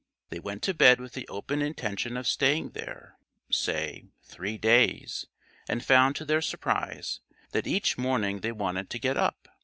They went to bed with the open intention of staying there, say, three days, and found to their surprise that each morning they wanted to get up.